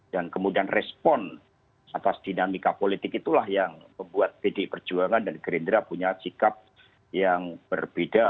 dan kemudian respon atas dinamika politik itulah yang membuat pdi perjuangan dan gerindra punya sikap yang berbeda